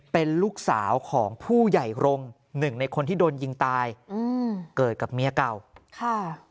เป็นลูกสาวของผู้ใหญ่รงค์หนึ่งในคนที่โดนยิงตายอืมเกิดกับเมียเก่าค่ะ